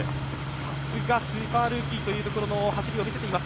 さすがスーパールーキーというところの走りを見せています。